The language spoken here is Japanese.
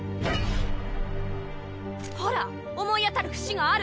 ほら思い当たる節がある。